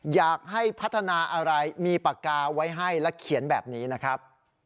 อยากให้พัฒนาอะไรมีปากกาไว้ให้และเขียนแบบนี้นะครับ